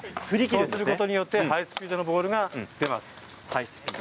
そのことによってハイスピードのボールが出ます。